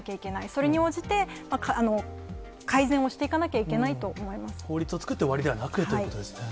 それに応じて、改善をしていかな法律を作って終わりではなくということですね。